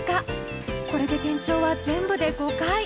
これで転調は全部で５回。